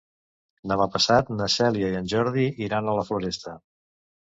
Demà passat na Cèlia i en Jordi iran a la Floresta.